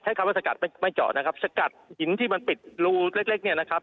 คำว่าสกัดไม่ไม่เจาะนะครับสกัดหินที่มันปิดรูเล็กเล็กเนี่ยนะครับ